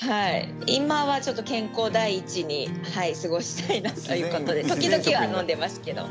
今はちょっと健康第一に過ごしたいなということで時々は飲んでますけど。